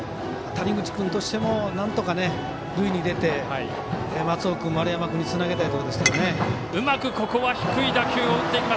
谷口君としてもなんとか塁に出て松尾君、丸山君につなげたいところですね。